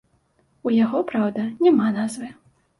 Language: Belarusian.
У яго, праўда, няма назвы.